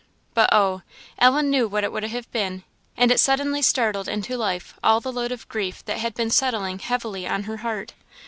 But oh! Ellen knew what it would have been; and it suddenly startled into life all the load of grief that had been settling heavily on her heart.